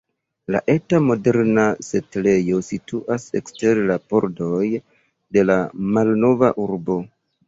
La eta, moderna setlejo situas ekster la pordoj de la malnova urbo.